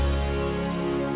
itu kelasnya bagaimana materia ini